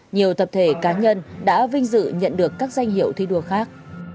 nhiều tập thể cá nhân đã vinh dự nhận được các danh hiệu thi đua khác